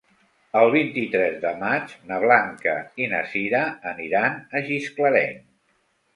El vint-i-tres de maig na Blanca i na Cira aniran a Gisclareny.